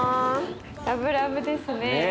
ラブラブですね。